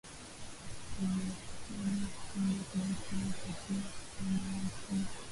Wawekezaji huja kuvua katika bahari kuu